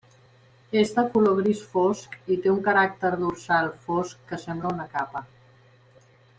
És de color gris fosc i té un caràcter dorsal fosc que sembla una capa.